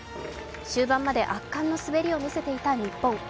終盤まで圧巻の滑りを見せていた日本。